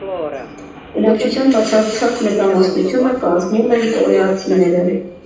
Բնակչության բացարձակ մեծամասնությունը կազմում են կորեացիները։